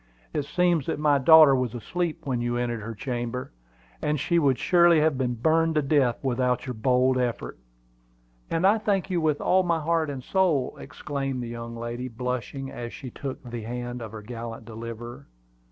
"It seems that my daughter was asleep when you entered her chamber, and she would surely have been burned to death without your bold effort." "And I thank you with all my heart and soul!" exclaimed the young lady, blushing as she took the hand of her gallant deliverer.